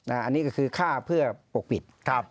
อันนี้ก็คือฆ่าเพื่อปกปิด